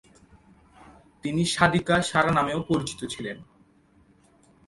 তিনি সাধিকা শারা নামেও পরিচিত ছিলেন।